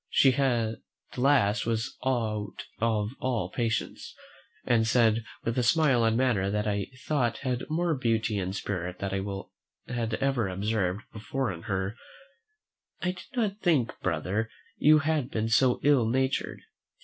She at last was out of all patience, and said, with a smile and manner that I thought had more beauty and spirit than I had ever observed before in her, "I did not think, brother, you had been so ill natured.